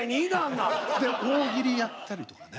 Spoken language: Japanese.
大喜利やったりとかね。